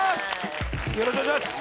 よろしくお願いします